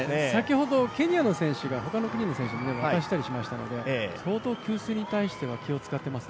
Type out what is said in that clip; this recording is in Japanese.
先ほどケニアの選手が他の国の選手に渡したりしていましたので、相当、給水の対して気を遣っています。